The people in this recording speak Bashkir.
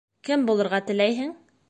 Кем булырға теләйһең?